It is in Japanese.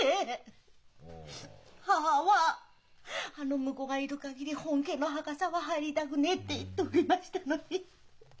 母は「あの婿がいる限り本家の墓さは入りたくねえ」って言っておりましたのに。